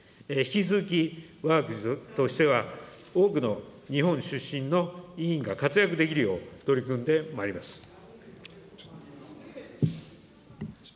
引き続きわが国としては、多くの日本出身の委員が活躍できるよう、取り組んでまいります。